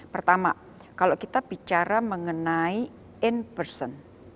pertama kalau kita bicara mengenai in person